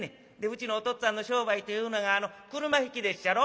うちのお父っつぁんの商売というのがあの車引きでっしゃろ。